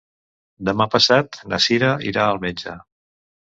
Demà passat na Sira irà al metge.